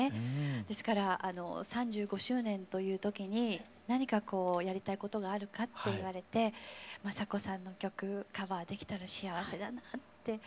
ですから３５周年という時に何かこうやりたいことがあるかって言われて昌子さんの曲カバーできたら幸せだなって。